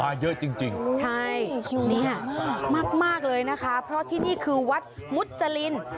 มาเยอะจริงมากเลยนะคะเพราะที่นี่คือวัดมุจริน